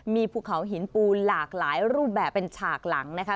มีภูเขาหินปูนหลากหลายรูปแบบเป็นฉากหลังนะคะ